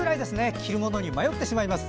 着るものに迷ってしまいます。